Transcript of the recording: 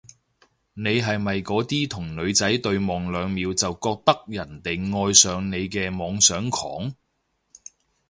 你係咪嗰啲同女仔對望兩秒就覺得人哋愛上你嘅妄想狂？